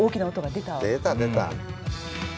出た出た。